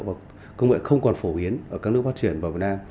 và công nghệ không còn phổ biến ở các nước phát triển vào việt nam